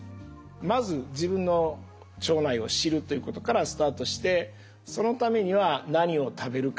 まず自分の腸内を知るということからスタートしてそのためには何を食べるかと。